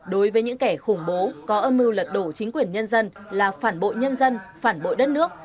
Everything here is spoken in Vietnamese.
đối với những kẻ khủng bố có âm mưu lật đổ chính quyền nhân dân là phản bội nhân dân phản bội đất nước